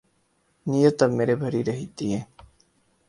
نیت اب میری بھری رہتی ہے